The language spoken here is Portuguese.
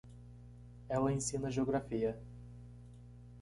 Ela ensina geografia.